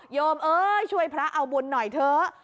โยมเอ้ยช่วยพระเอาบุญหน่อยเถอะ